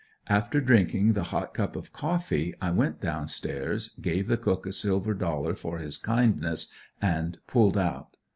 After drinking the hot cup of coffee I went down stairs, gave the cook a silver dollar for his kindness and pulled out.